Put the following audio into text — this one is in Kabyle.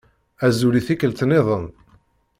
Azul i tikkelt-nniḍen.